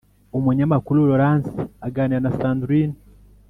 umunyamakuru laurence aganira na sandrine